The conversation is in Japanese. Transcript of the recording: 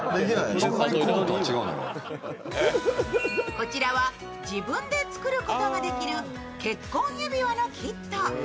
こちらは、自分で作ることができる結婚指輪のキット。